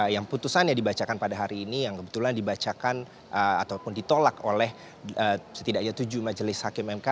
yang putusannya dibacakan pada hari ini yang kebetulan dibacakan ataupun ditolak oleh setidaknya tujuh majelis hakim mk